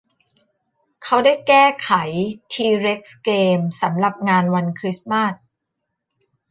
เขาได้แก้ไขทีเร็กซ์เกมสำหรับงานวันคริสต์มาส